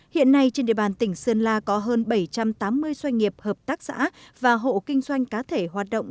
hiện nay trên địa bàn tỉnh sơn la có hơn bảy trăm tám mươi doanh nghiệp hợp tác xã và hộ kinh doanh cá thể hoạt động